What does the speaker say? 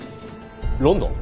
ロンドン！？